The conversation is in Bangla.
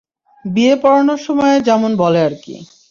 বিয়ে পড়ানোর সময়ে যেমন বলে আরকি।